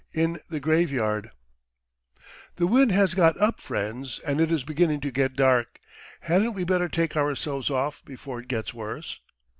IN THE GRAVEYARD "THE wind has got up, friends, and it is beginning to get dark. Hadn't we better take ourselves off before it gets worse?"